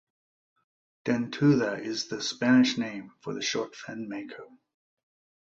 Dentuda is the Spanish name for the shortfin mako.